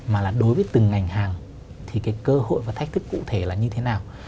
mà là đối với từng ngành hàng thì cái cơ hội và thách thức cụ thể là như thế nào